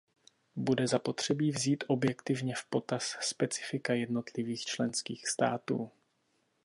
Bude zapotřebí vzít objektivně v potaz specifika jednotlivých členských států.